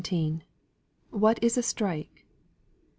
WHAT IS A STRIKE?